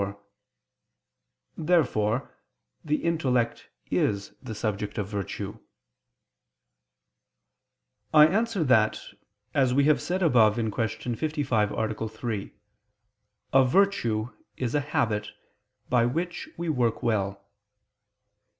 Therefore the intellect is the subject of virtue. I answer that, As we have said above (Q. 55, A. 3), a virtue is a habit by which we work well.